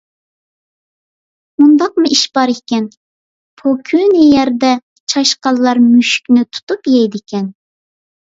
مۇنداقمۇ ئىش بار ئىكەن، پوكۈنى يەردە چاشقانلار مۈشۈكنى تۇتۇپ يەيدىكەن.